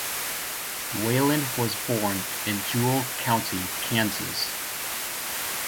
Wyland was born in Jewell County, Kansas.